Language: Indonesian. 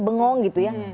bengong gitu ya